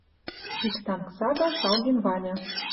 Ик танк сага шалген Ваня